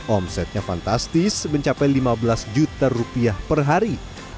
omsetnya fantastis mencapai lima belas juta rupiah per hari